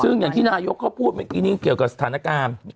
อย่างที่นายก็พูดเกี่ยวกับสถานการณ์